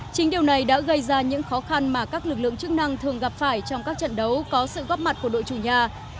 chính điều này đã gây ra những khó khăn mà các lực lượng chức năng thường gặp phải trong các trận đấu có sự góp mặt của đội chủ nhà